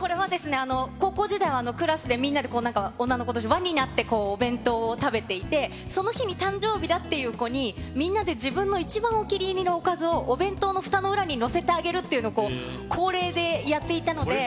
これは高校時代はクラスでみんなで、女の子どうしで輪になってお弁当を食べていて、その日に誕生日だっていう子に、みんなで自分の一番お気に入りのおかずをお弁当のふたの裏に載せてあげるっていうのを恒例でやっていたので。